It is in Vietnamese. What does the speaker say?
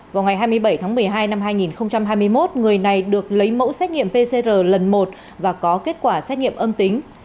vào ngày hai mươi bảy tháng một mươi hai năm hai nghìn hai mươi một người này được lấy mẫu xét nghiệm pcr lần một và có kết quả xét nghiệm âm tính